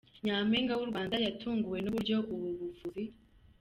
Nyampinga w’u Rwanda yatunguwe n’uburyo ubu buvuzi